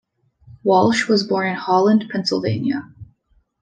Walsh was born in Holland, Pennsylvania.